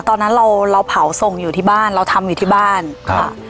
ตอนนั้นเราเราเผาส่งอยู่ที่บ้านเราทำอยู่ที่บ้านค่ะ